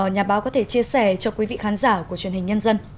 nhà báo có thể chia sẻ cho quý vị khán giả của truyền hình nhân dân